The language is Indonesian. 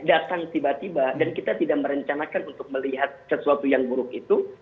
datang tiba tiba dan kita tidak merencanakan untuk melihat sesuatu yang buruk itu